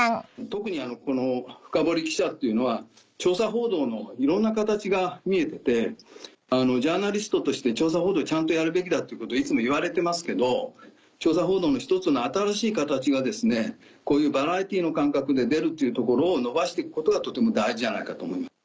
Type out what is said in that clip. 特にこの『フカボリ記者』っていうのは調査報道のいろんな形が見えててジャーナリストとして調査報道をちゃんとやるべきだっていつも言われてますけど調査報道の１つの新しい形がこういうバラエティーの感覚で出るっていうところを伸ばして行くことがとても大事じゃないかと思います。